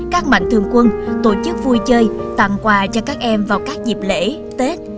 các mạnh thường quân tổ chức vui chơi tặng quà cho các em vào các dịp lễ tết